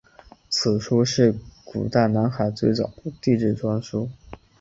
此书是古代南海最早的地志专书。